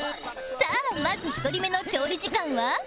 さあまず１人目の調理時間は？